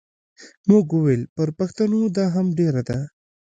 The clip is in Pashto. موږ وویل پر پښتنو دا هم ډېره ده.